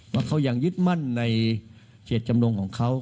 ว่าเขายังยึดมั่นในเจตจำนงของเขา